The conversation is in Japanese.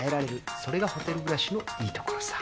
それがホテル暮らしのいいところさ。